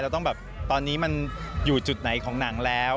ต้องแบบตอนนี้มันอยู่จุดไหนของหนังแล้ว